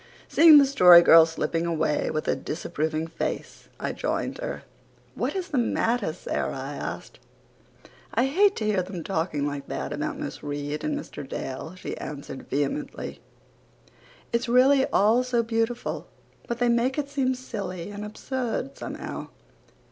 Seeing the Story Girl slipping away with a disapproving face I joined her. "What is the matter, Sara?" I asked. "I hate to hear them talking like that about Miss Reade and Mr. Dale," she answered vehemently. "It's really all so beautiful but they make it seem silly and absurd, somehow."